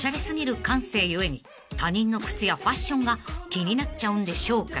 故に他人の靴やファッションが気になっちゃうんでしょうか］